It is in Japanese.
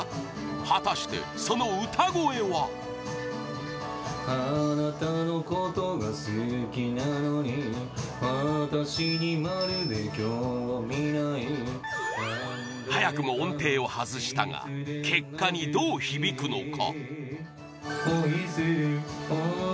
果たして、その歌声は早くも音程を外したが結果にどう響くのか？